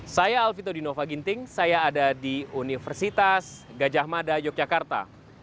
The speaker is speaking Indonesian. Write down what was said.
saya alfito dinova ginting saya ada di universitas gajah mada yogyakarta